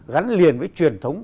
gắn liền với truyền thống